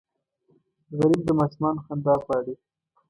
غریب د ماشومانو خندا غواړي